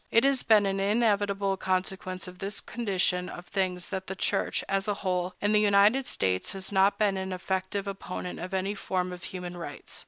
It has been an inevitable consequence of this condition of things that the Church, as a whole, in the United States has not been an effective opponent of any form of human rights.